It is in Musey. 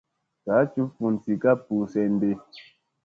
Saa juɓ vun zii ka ɓuu senɗi.